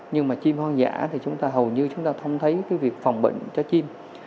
nhưng mà chim hoang dã thì chúng ta hầu như chúng ta không thấy cái việc phòng bệnh cho chim